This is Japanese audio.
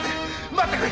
待ってくれ！